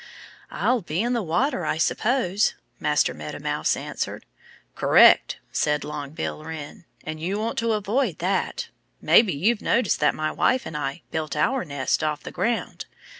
"I'll be in the water, I suppose," Master Meadow Mouse answered. "Correct!" said Long Bill Wren. "And you want to avoid that. Maybe you've noticed that my wife and I built our nest off the ground.